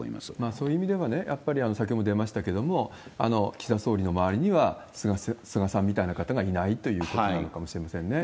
そういう意味ではね、やっぱり先ほども出ましたけれども、岸田総理の周りには菅さんみたいな方がいないということなのかもしれませんね。